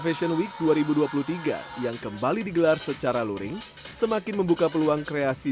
fashion week dua ribu dua puluh tiga yang kembali digelar secara luring semakin membuka peluang kreasi